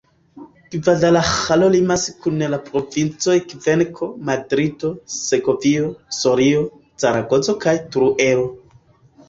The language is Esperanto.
Gvadalaĥaro limas kun la provincoj Kvenko, Madrido, Segovio, Sorio, Zaragozo kaj Teruelo.